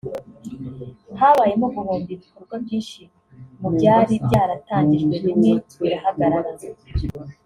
habayemo guhomba ibikorwa byinshi mu byari byaratangijwe bimwe birahagarara